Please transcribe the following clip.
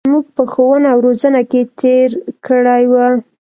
زمـوږ په ښـوونه او روزنـه کـې تېـر کـړى و.